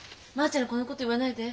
ちゃんにこのこと言わないで。